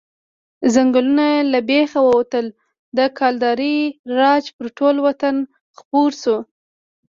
ځنګلونه له بېخه ووتل، د کلدارې راج پر ټول وطن خپور شو.